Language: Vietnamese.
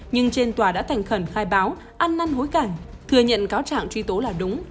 nhưng trên tòa đã thành khẩn khai báo ăn năn hối cảnh thừa nhận cáo trạng truy tố là đúng